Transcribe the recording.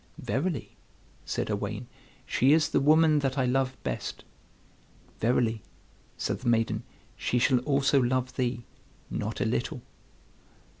"Verily," said Owain, "she is the woman that I love best." "Verily," said the maiden, "she shall also love thee, not a little."